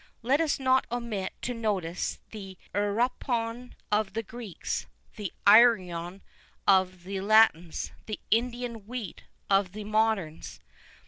Let us not omit to notice the Erupmon of the Greeks, the Irion of the Latins, the Indian Wheat of the moderns.